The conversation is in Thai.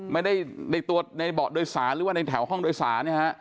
ในตัวในเบาะโดยสารหรือว่าในแถวห้องโดยสารเนี่ยฮะ